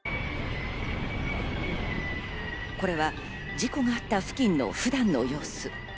これは事故があった付近の普段の様子。